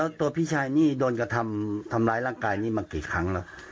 แล้วตัวพี่ชายนี่โดนกระทำทำร้ายร่างกายนี่มากี่ครั้งแล้ว